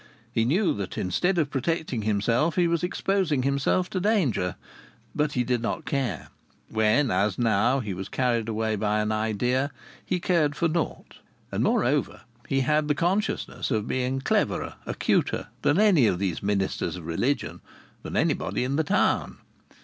He knew that instead of protecting himself he was exposing himself to danger. But he did not care. When, as now, he was carried away by an idea, he cared for naught. And, moreover, he had the consciousness of being cleverer, acuter, than any of these ministers of religion, than anybody in the town!